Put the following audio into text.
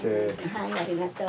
はいありがとう。